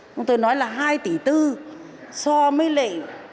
chúng tôi nói là hai tỷ bốn so với lệ